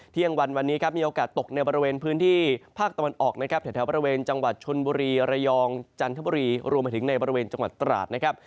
เที่ยงวันวันนี้ครับมีโอกาสตกในบริเวณพื้นที่ภาคตะวันออกนะครับแถวบริเวณจังหวัดชนบุรีระยองจันทบุรีรวมไปถึงในบริเวณจังหวัดตราดนะครับ